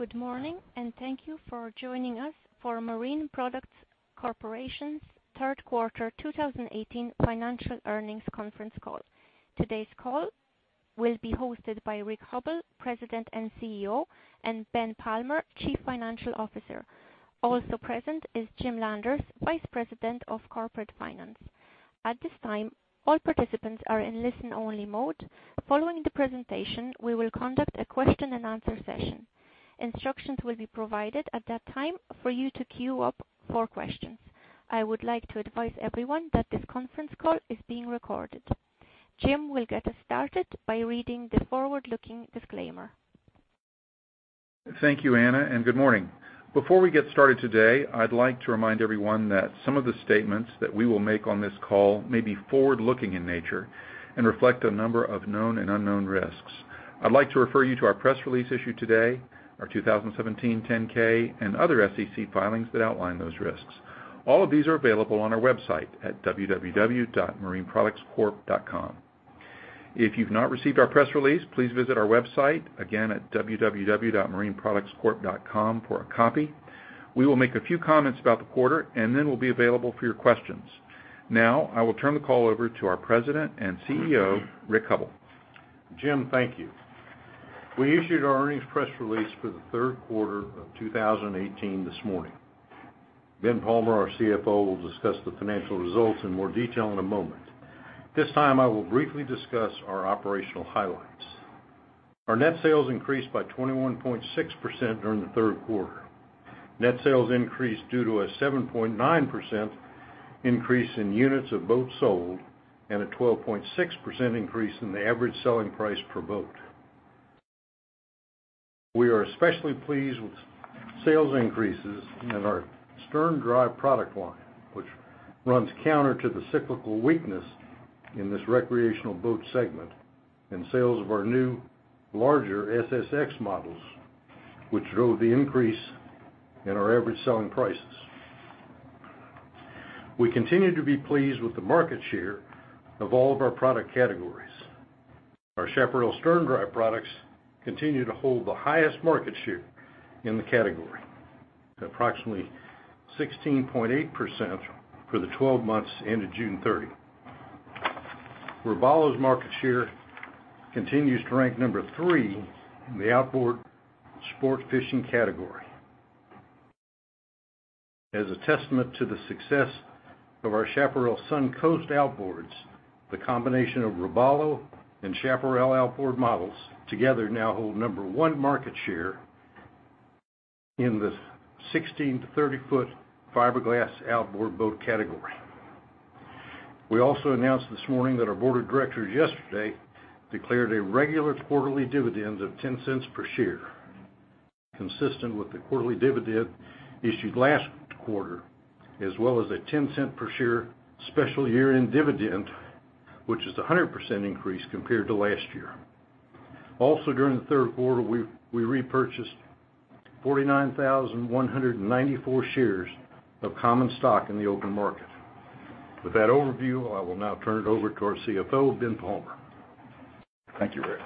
Good morning, and thank you for joining us for Marine Products Corporation's third quarter 2018 financial earnings conference call. Today's call will be hosted by Rick Hubbell, President and CEO, and Ben Palmer, Chief Financial Officer. Also present is Jim Landers, Vice President of Corporate Finance. At this time, all participants are in listen-only mode. Following the presentation, we will conduct a question-and-answer session. Instructions will be provided at that time for you to queue up for questions. I would like to advise everyone that this conference call is being recorded. Jim will get us started by reading the forward-looking disclaimer. Thank you, Anna, and good morning. Before we get started today, I'd like to remind everyone that some of the statements that we will make on this call may be forward-looking in nature and reflect a number of known and unknown risks. I'd like to refer you to our press release issued today, our 2017 10-K, and other SEC filings that outline those risks. All of these are available on our website at www.marineproductscorp.com. If you've not received our press release, please visit our website again at www.marineproductscorp.com for a copy. We will make a few comments about the quarter, and then we'll be available for your questions. Now, I will turn the call over to our President and CEO, Rick Hubbell. Jim, thank you. We issued our earnings press release for the third quarter of 2018 this morning. Ben Palmer, our CFO, will discuss the financial results in more detail in a moment. This time, I will briefly discuss our operational highlights. Our net sales increased by 21.6% during the third quarter. Net sales increased due to a 7.9% increase in units of boats sold and a 12.6% increase in the average selling price per boat. We are especially pleased with sales increases in our Stern Drive product line, which runs counter to the cyclical weakness in this recreational boat segment and sales of our new, larger SSX models, which drove the increase in our average selling prices. We continue to be pleased with the market share of all of our product categories. Our Chaparral Stern Drive products continue to hold the highest market share in the category, approximately 16.8% for the 12 months ended June 30. Robalo's market share continues to rank number three in the outboard sport fishing category. As a testament to the success of our Chaparral Sun Coast outboards, the combination of Robalo and Chaparral outboard models together now hold number one market share in the 16-30 ft fiberglass outboard boat category. We also announced this morning that our Board of Directors yesterday declared a regular quarterly dividend of $0.10 per share, consistent with the quarterly dividend issued last quarter, as well as a $0.10 per share special year-end dividend, which is a 100% increase compared to last year. Also, during the third quarter, we repurchased 49,194 shares of common stock in the open market. With that overview, I will now turn it over to our CFO, Ben Palmer. Thank you, Rick.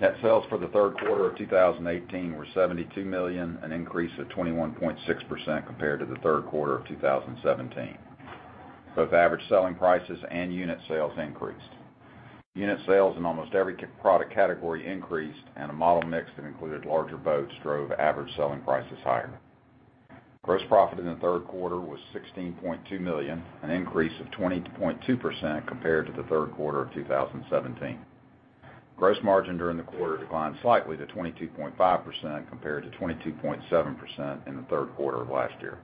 Net sales for the third quarter of 2018 were $72 million, an increase of 21.6% compared to the third quarter of 2017. Both average selling prices and unit sales increased. Unit sales in almost every product category increased, and a model mix that included larger boats drove average selling prices higher. Gross profit in the third quarter was $16.2 million, an increase of 20.2% compared to the third quarter of 2017. Gross margin during the quarter declined slightly to 22.5% compared to 22.7% in the third quarter of last year.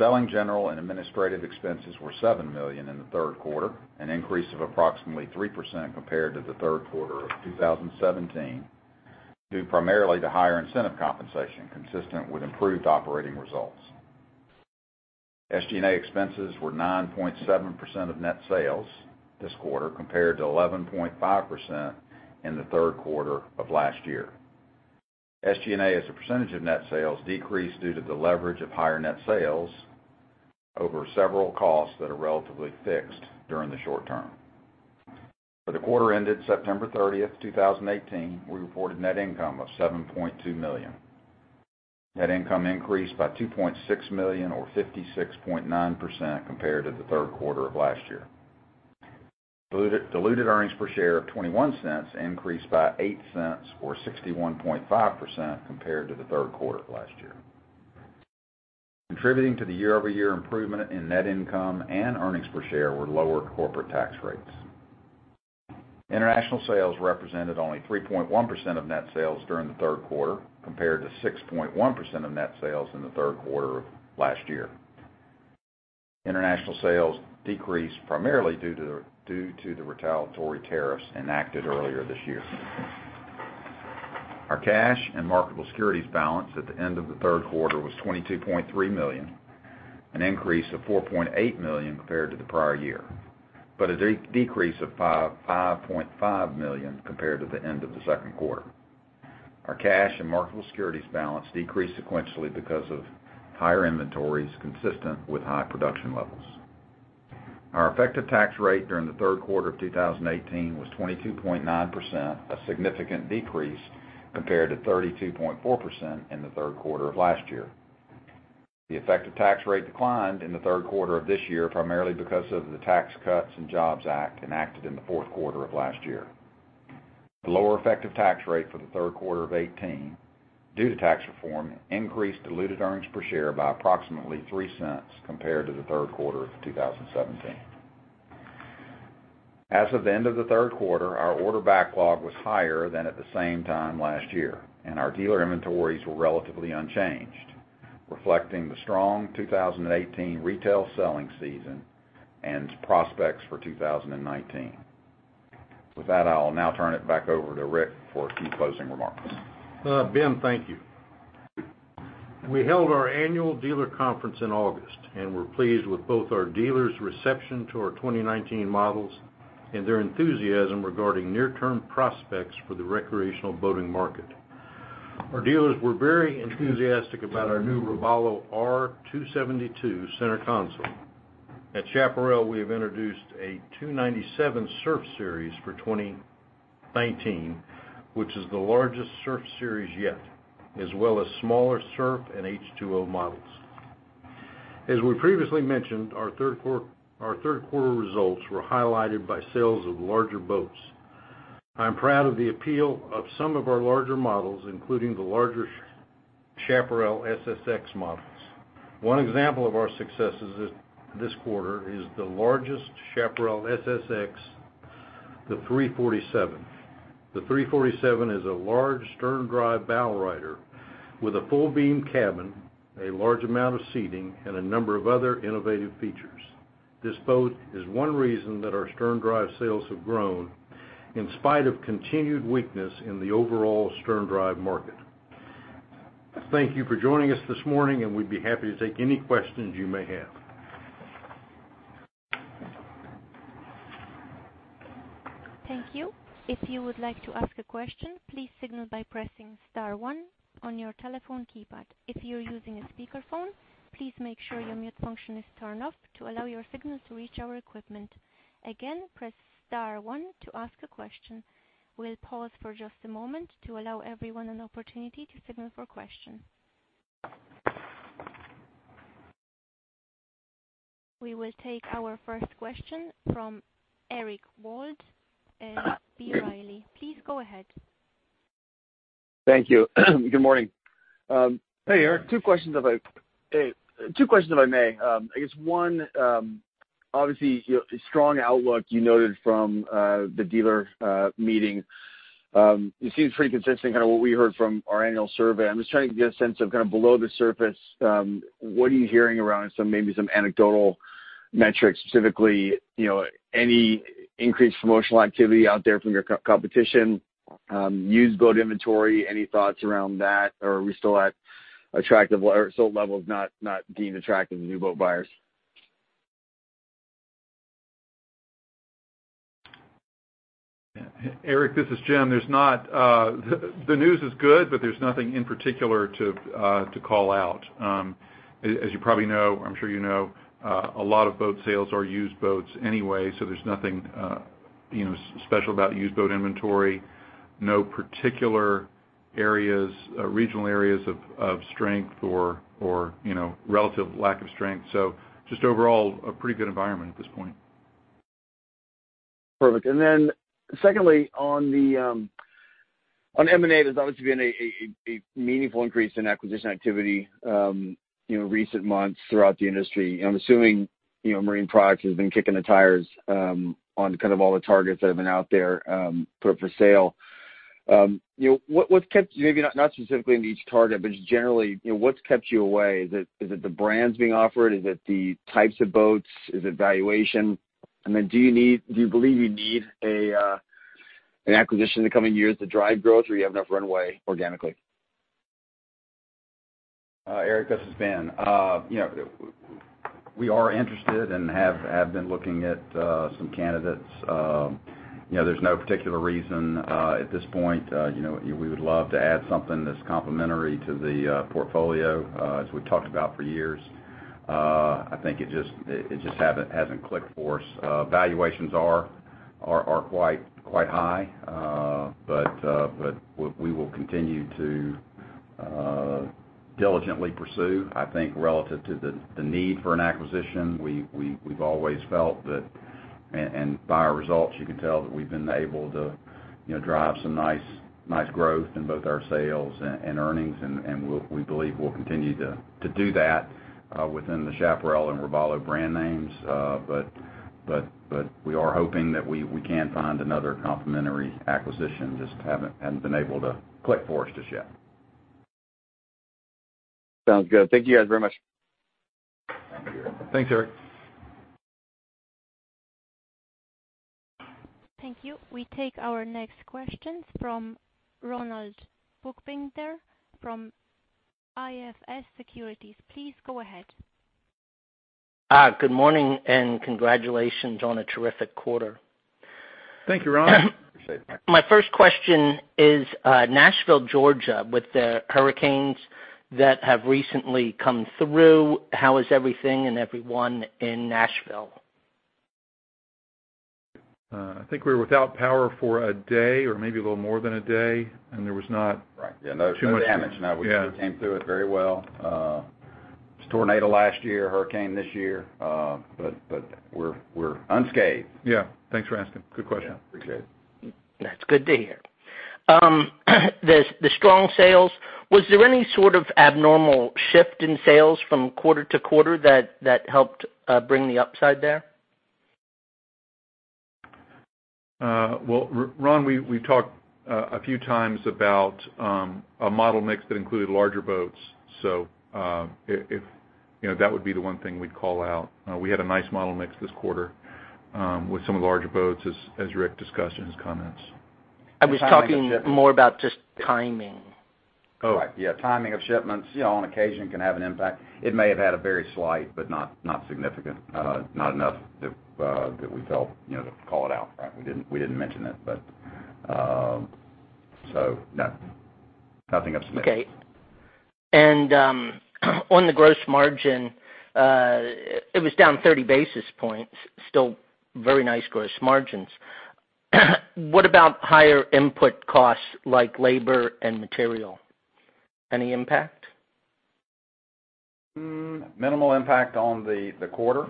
Selling, general and administrative expenses were $7 million in the third quarter, an increase of approximately 3% compared to the third quarter of 2017 due primarily to higher incentive compensation, consistent with improved operating results. SG&A expenses were 9.7% of net sales this quarter compared to 11.5% in the third quarter of last year. SG&A, as a percentage of net sales, decreased due to the leverage of higher net sales over several costs that are relatively fixed during the short term. For the quarter ended September 30, 2018, we reported net income of $7.2 million. Net income increased by $2.6 million, or 56.9%, compared to the third quarter of last year. Diluted earnings per share of $0.21 increased by $0.08, or 61.5%, compared to the third quarter of last year. Contributing to the year-over-year improvement in net income and earnings per share were lower corporate tax rates. International sales represented only 3.1% of net sales during the third quarter, compared to 6.1% of net sales in the third quarter of last year. International sales decreased primarily due to the retaliatory tariffs enacted earlier this year. Our cash and marketable securities balance at the end of the third quarter was $22.3 million, an increase of $4.8 million compared to the prior year, but a decrease of $5.5 million compared to the end of the second quarter. Our cash and marketable securities balance decreased sequentially because of higher inventories, consistent with high production levels. Our effective tax rate during the third quarter of 2018 was 22.9%, a significant decrease compared to 32.4% in the third quarter of last year. The effective tax rate declined in the third quarter of this year primarily because of the Tax Cuts and Jobs Act enacted in the fourth quarter of last year. The lower effective tax rate for the third quarter of 2018, due to tax reform, increased diluted earnings per share by approximately 3 cents compared to the third quarter of 2017. As of the end of the third quarter, our order backlog was higher than at the same time last year, and our dealer inventories were relatively unchanged, reflecting the strong 2018 retail selling season and prospects for 2019. With that, I'll now turn it back over to Rick for a few closing remarks. Ben, thank you. We held our annual dealer conference in August and were pleased with both our dealers' reception to our 2019 models and their enthusiasm regarding near-term prospects for the recreational boating market. Our dealers were very enthusiastic about our new Robalo R272 center console. At Chaparral, we have introduced a 297 Surf Series for 2019, which is the largest Surf Series yet, as well as smaller Surf and H2O models. As we previously mentioned, our third quarter results were highlighted by sales of larger boats. I'm proud of the appeal of some of our larger models, including the larger Chaparral SSX models. One example of our successes this quarter is the largest Chaparral SSX, the 347. The 347 is a large Stern Drive bow rider with a full-beam cabin, a large amount of seating, and a number of other innovative features. This boat is one reason that our Stern Drive sales have grown in spite of continued weakness in the overall Stern Drive market. Thank you for joining us this morning, and we'd be happy to take any questions you may have. Thank you. If you would like to ask a question, please signal by pressing star one on your telephone keypad. If you're using a speakerphone, please make sure your mute function is turned off to allow your signal to reach our equipment. Again, press star one to ask a question. We'll pause for just a moment to allow everyone an opportunity to signal for a question. We will take our first question from Eric Wald and B. Riley. Please go ahead. Thank you. Good morning. Hey, Eric. Two questions if I may. I guess one, obviously, a strong outlook you noted from the dealer meeting. It seems pretty consistent with kind of what we heard from our annual survey. I'm just trying to get a sense of kind of below the surface, what are you hearing around maybe some anecdotal metrics, specifically any increased promotional activity out there from your competition, used boat inventory, any thoughts around that, or are we still at attractive or still at levels not being attractive to new boat buyers? Eric, this is Jim. The news is good, but there's nothing in particular to call out. As you probably know, I'm sure you know, a lot of boat sales are used boats anyway, so there's nothing special about used boat inventory, no particular regional areas of strength or relative lack of strength. Just overall, a pretty good environment at this point. Perfect. Secondly, on M&A, there's obviously been a meaningful increase in acquisition activity in recent months throughout the industry. I'm assuming Marine Products has been kicking the tires on kind of all the targets that have been out there put up for sale. What's kept, maybe not specifically in each target, but just generally, what's kept you away? Is it the brands being offered? Is it the types of boats? Is it valuation? Do you believe you need an acquisition in the coming years to drive growth, or do you have enough runway organically? Eric, this is Ben. We are interested and have been looking at some candidates. There's no particular reason at this point. We would love to add something that's complementary to the portfolio, as we've talked about for years. I think it just hasn't clicked for us. Valuations are quite high, but we will continue to diligently pursue. I think relative to the need for an acquisition, we've always felt that, and by our results, you can tell that we've been able to drive some nice growth in both our sales and earnings, and we believe we'll continue to do that within the Chaparral and Robalo brand names. We are hoping that we can find another complementary acquisition. Just haven't been able to click for us just yet. Sounds good. Thank you guys very much. Thank you. Thanks, Eric. Thank you. We take our next questions from Ronald Bookbinder, from IFS Securities. Please go ahead. Good morning and congratulations on a terrific quarter. Thank you, Ronald. My first question is Nashville, Georgia, with the hurricanes that have recently come through. How is everything and everyone in Nashville? I think we were without power for a day or maybe a little more than a day, and there was not too much damage. Right. Yeah, no damage. We came through it very well. It was a tornado last year, hurricane this year, but we're unscathed. Yeah. Thanks for asking. Good question. Yeah. Appreciate it. That's good to hear. The strong sales, was there any sort of abnormal shift in sales from quarter to quarter that helped bring the upside there? Ron, we've talked a few times about a model mix that included larger boats. That would be the one thing we'd call out. We had a nice model mix this quarter with some of the larger boats, as Rick discussed in his comments. I was talking more about just timing. Oh, right. Yeah. Timing of shipments on occasion can have an impact. It may have had a very slight, but not significant, not enough that we felt to call it out. We did not mention it, but nothing of significance. Okay. On the gross margin, it was down 30 basis points, still very nice gross margins. What about higher input costs like labor and material? Any impact? Minimal impact on the quarter.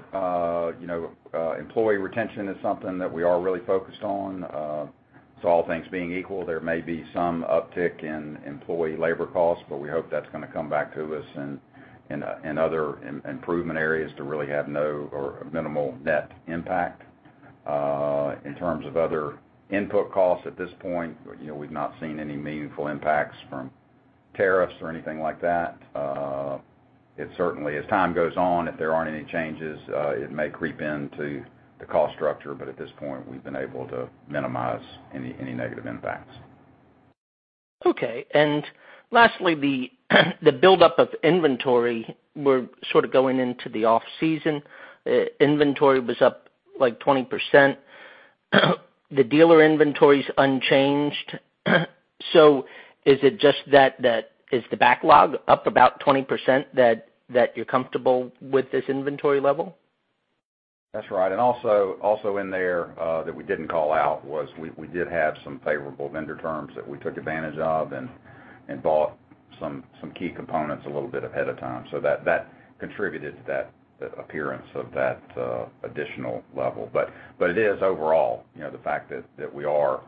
Employee retention is something that we are really focused on. All things being equal, there may be some uptick in employee labor costs, but we hope that's going to come back to us in other improvement areas to really have no or minimal net impact. In terms of other input costs at this point, we've not seen any meaningful impacts from tariffs or anything like that. It certainly, as time goes on, if there aren't any changes, it may creep into the cost structure, but at this point, we've been able to minimize any negative impacts. Okay. Lastly, the buildup of inventory, we're sort of going into the off-season. Inventory was up like 20%. The dealer inventory is unchanged. Is it just that the backlog is up about 20% that you're comfortable with this inventory level? That's right. Also in there that we didn't call out was we did have some favorable vendor terms that we took advantage of and bought some key components a little bit ahead of time. That contributed to that appearance of that additional level. It is overall the fact that we are,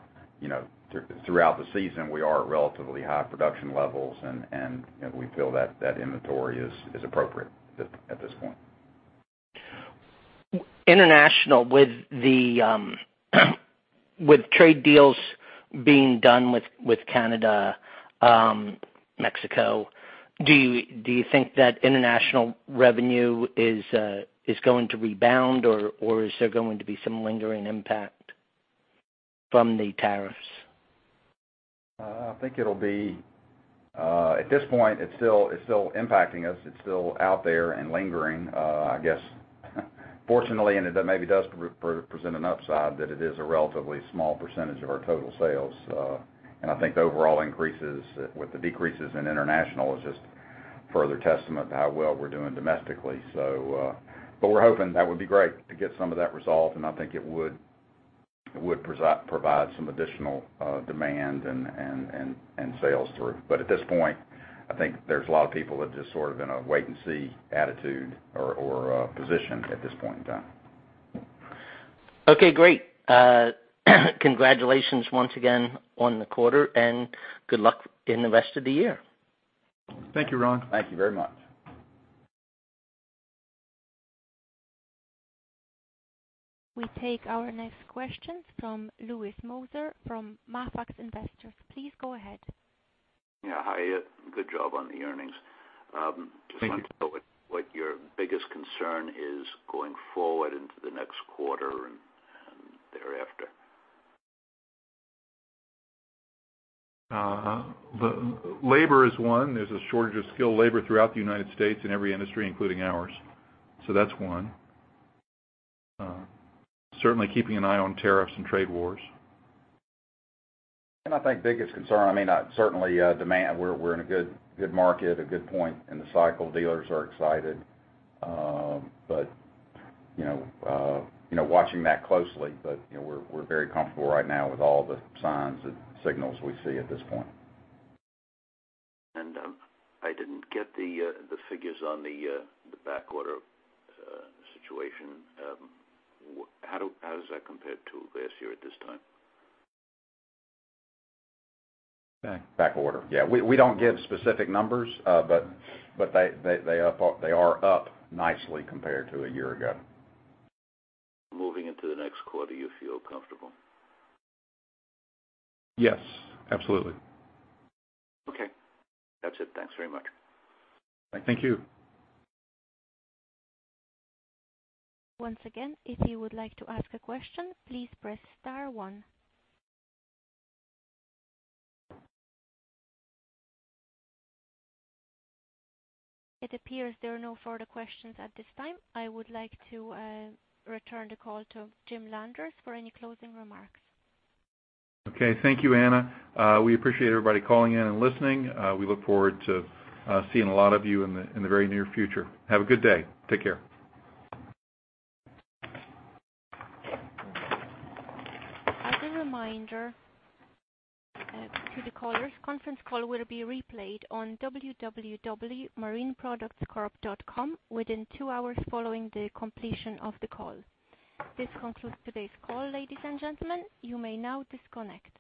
throughout the season, at relatively high production levels, and we feel that inventory is appropriate at this point. International, with trade deals being done with Canada, Mexico, do you think that international revenue is going to rebound, or is there going to be some lingering impact from the tariffs? I think it'll be at this point, it's still impacting us. It's still out there and lingering, I guess. Fortunately, and it maybe does present an upside that it is a relatively small percentage of our total sales. I think the overall increases with the decreases in international is just further testament to how well we're doing domestically. We're hoping that would be great to get some of that resolved, and I think it would provide some additional demand and sales through. At this point, I think there's a lot of people that are just sort of in a wait-and-see attitude or position at this point in time. Okay. Great. Congratulations once again on the quarter, and good luck in the rest of the year. Thank you, Ron. Thank you very much. We take our next question from Louis Moser from Mafax Investors. Please go ahead. Yeah. Hi. Good job on the earnings. Just wanted to know what your biggest concern is going forward into the next quarter and thereafter. Labor is one. There's a shortage of skilled labor throughout the United States in every industry, including ours. That's one. Certainly keeping an eye on tariffs and trade wars. I think biggest concern, I mean, certainly demand, we're in a good market, a good point in the cycle. Dealers are excited, but watching that closely. We're very comfortable right now with all the signs and signals we see at this point. I didn't get the figures on the back order situation. How does that compare to last year at this time? Back order. Yeah. We don't give specific numbers, but they are up nicely compared to a year ago. Moving into the next quarter, you feel comfortable? Yes. Absolutely. Okay. That's it. Thanks very much. Thank you. Once again, if you would like to ask a question, please press star one It appears there are no further questions at this time. I would like to return the call to Jim Landers for any closing remarks. Okay. Thank you, Anna. We appreciate everybody calling in and listening. We look forward to seeing a lot of you in the very near future. Have a good day. Take care. As a reminder, to the callers, conference call will be replayed on www.marineproductscorp.com within two hours following the completion of the call. This concludes today's call, ladies and gentlemen. You may now disconnect.